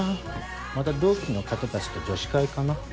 また同期の方たちと女子会かな？